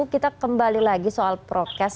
kita kembali lagi soal prokes